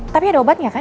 tapi ada obatnya kan